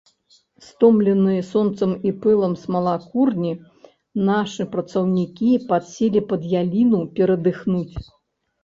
Стомленыя сонцам і пылам смалакурні, нашы працаўнікі падселі пад яліну перадыхнуць.